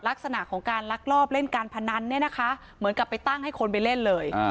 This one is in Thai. ลักษณะของการลักลอบเล่นการพนันเนี่ยนะคะเหมือนกับไปตั้งให้คนไปเล่นเลย